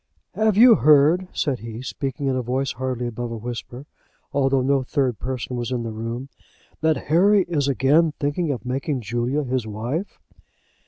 "Have you heard," said he, speaking in a voice hardly above a whisper, although no third person was in the room, "that Harry is again thinking of making Julia his wife?"